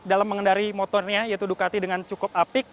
dalam mengendari motornya yaitu ducati dengan cukup apik